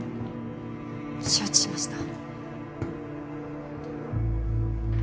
承知しました。